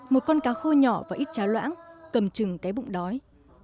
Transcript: một con cá khô nhỏ và ít cháo loãng cầm chừng cái bụng đói